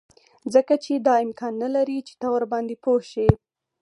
ځکه چې دا امکان نلري چې ته ورباندې پوه شې